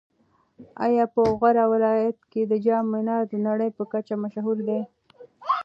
ایا په غور ولایت کې د جام منار د نړۍ په کچه مشهور دی؟